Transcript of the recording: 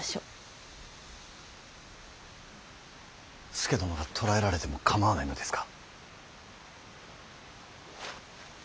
佐殿が捕らえられても構わないのですか。